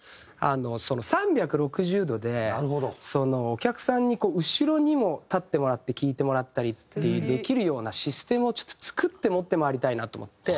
お客さんに後ろにも立ってもらって聴いてもらったりってできるようなシステムをちょっと作って持って回りたいなと思って。